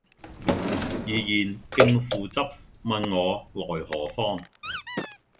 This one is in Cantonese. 怡然敬父執，問我來何方。